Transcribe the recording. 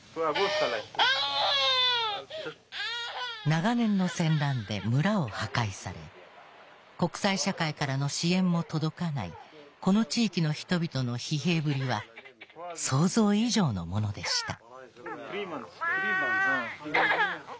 長年の戦乱で村を破壊され国際社会からの支援も届かないこの地域の人々の疲弊ぶりは想像以上のものでした。